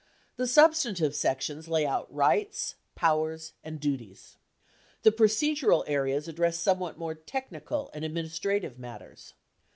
The substantive sections lay out rights, pow ers, and duties. The procedural areas address somewhat more techni cal and administrative matters.